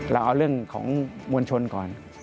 เราเอาเรื่องของมวลชนก่อน